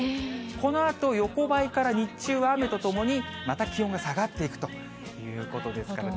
このあと、横ばいから日中は雨とともに、また気温が下がっていくということですからね。